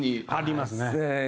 ありますね。